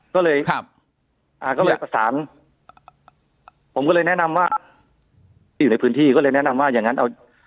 ก็เลยครับอ่าก็เลยประสานผมก็เลยแนะนำว่าที่อยู่ในพื้นที่ก็เลยแนะนำว่าอย่างงั้นเอา